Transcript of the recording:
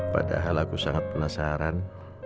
padahal aku sangat penasaran